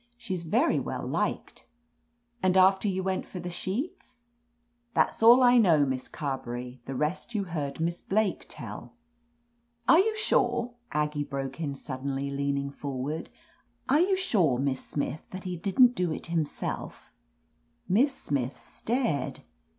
She's yery well liked." ^ And after you went for the sheets ?" That's all I know. Miss Carberry. The rest you heard Miss Blake tell." "Are you sure," Aggie broke in suddenly, leaning forward, "are you sure, Miss Smith, that he didn't do it himself ?" Miss Smith stared.